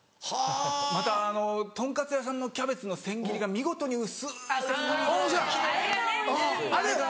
またあの豚カツ屋さんのキャベツの千切りが見事に薄い千切りで。